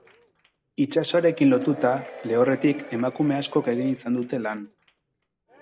Itsasoarekin lotuta, lehorretik, emakume askok egin izan dute lan.